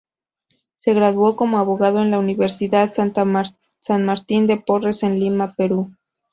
Se graduó como abogado en la Universidad San Martin de Porres en Lima, Perú.